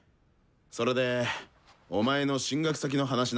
それでお前の進学先の話なんだけどさ。